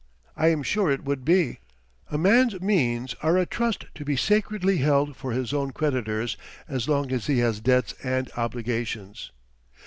I am sure it would be. A man's means are a trust to be sacredly held for his own creditors as long as he has debts and obligations.